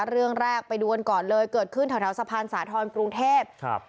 เรื่องแรกไปดูกันก่อนเลยเกิดขึ้นแถวแถวสะพานสาธรณ์กรุงเทพครับ